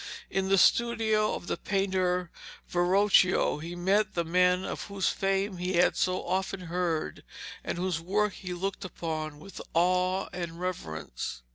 In the studio of the painter Verocchio he met the men of whose fame he had so often heard, and whose work he looked upon with awe and reverence.